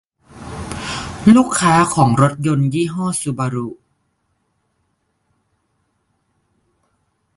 ลูกค้าของรถยนต์ยี่ห้อซูบารุ